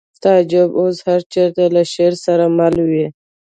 تعجب اوس هر چېرته له شعر سره مل وي